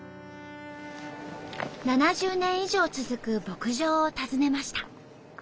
７０年以上続く牧場を訪ねました。